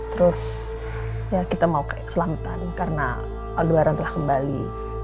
terus ya kita mau ke selatan karena aldoaran telah kembali